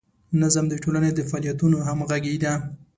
نظم د ټولنې د فعالیتونو همغږي ده.